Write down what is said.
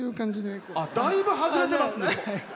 だいぶ外れてますね。